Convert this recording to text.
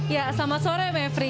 ya selamat sore mfri